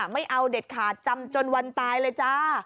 ไม่เอาเด็ดขาดจำจนวันตายเลยจ้า